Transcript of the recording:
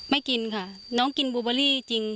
กินค่ะน้องกินบูเบอรี่จริง